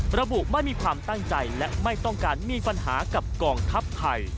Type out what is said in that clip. ระบุไม่มีความตั้งใจและไม่ต้องการมีปัญหากับกองทัพไทย